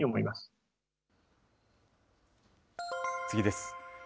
次です。